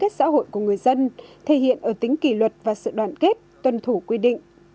xã hội của người dân thể hiện ở tính kỷ luật và sự đoàn kết tuân thủ quy định